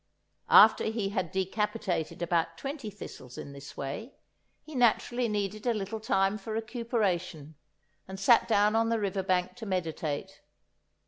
After he had decapitated about twenty thistles in this way, he naturally needed a little time for recuperation, and sat down on the river bank to meditate.